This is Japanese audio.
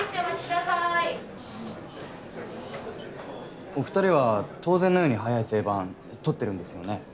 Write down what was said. くださーいお２人は当然のように早い整番取ってるんですよね？